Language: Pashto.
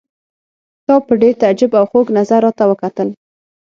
تا په ډېر تعجب او خوږ نظر راته وکتل.